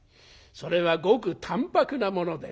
それはごく淡泊なものでな」。